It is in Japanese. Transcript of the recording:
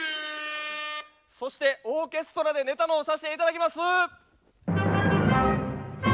そしてオーケストラでネタの方させて頂きます！